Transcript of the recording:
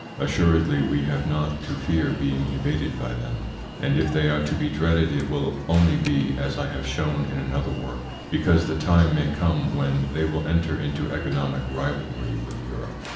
Assuredly we have not to fear being invaded by them ; and if they are to be dreaded it will only be, as I have shown in another work, because the time may come when they will enter into economic rivalry with Europe.